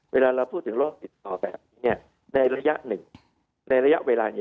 เวลาพูดถึงโรคติดต่อแบบนี้